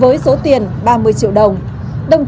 vâng năm trăm năm mươi cho ba tiếng đồng